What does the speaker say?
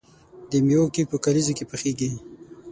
د میوو کیک په کلیزو کې پخیږي.